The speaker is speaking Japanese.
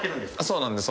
そうなんです。